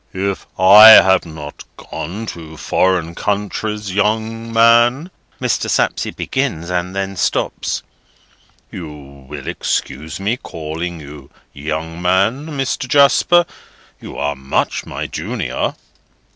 "If I have not gone to foreign countries, young man," Mr. Sapsea begins, and then stops:—"You will excuse me calling you young man, Mr. Jasper? You are much my junior."